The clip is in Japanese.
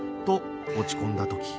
と落ち込んだ時